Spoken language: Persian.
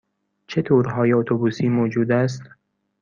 چه تورهای اتوبوسی موجود است؟